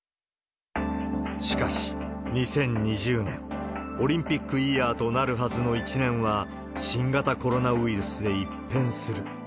しかし２０２０年、オリンピックイヤーとなるはずの１年は、新型コロナウイルスで一変する。